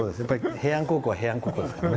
平安高校は平安高校ですからね。